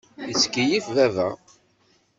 Yettkeyyif baba.